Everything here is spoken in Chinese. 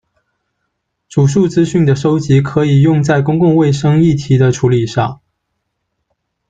主诉资讯的搜集可以用在公共卫生议题的处理上。